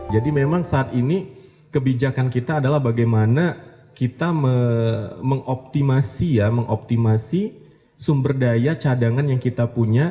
jadi memang saat ini kebijakan kita adalah bagaimana kita mengoptimasi sumber daya cadangan yang kita punya